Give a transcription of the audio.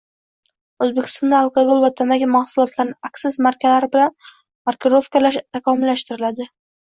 O‘zbekistonda alkogol va tamaki mahsulotlarini aksiz markalari bilan markirovkalash takomillashtiriladi